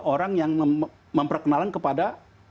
orang yang memperkenalkan kepada